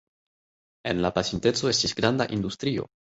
En la pasinteco estis granda industrio.